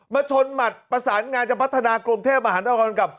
ชนหมัดประสานงานจะพัฒนากรุงเทพมหานครกับ